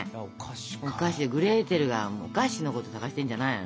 グレーテルはお菓子のこと探してんじゃないの？